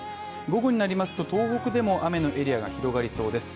午後になりますと東北でも雨のエリアが広がりそうです。